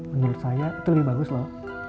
menurut saya itu lebih bagus loh